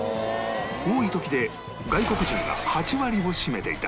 多い時で外国人が８割を占めていた